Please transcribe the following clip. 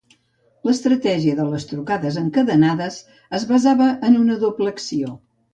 L'estratègia de les trucades encadenades es basava en una doble acció.